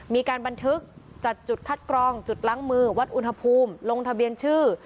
มีการบันทึกจัดจุดคัดกรองจุดล้างมือวัดอุณหภูมิลงทะเบียนชื่อ